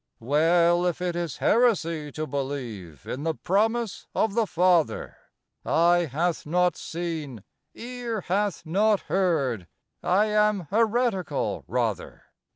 Well, if it is heresy to believe In the promise of the Father, "Eye hath not seen, ear hath not heard," I am heretical, rather.